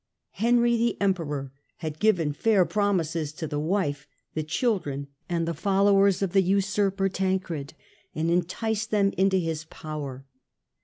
Henry the Emperor had given fair promises to the wife, the children and the followers of the usurper Tancred, and enticed them into his power.